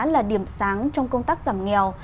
là điểm sáng trong công tác giảm nghèo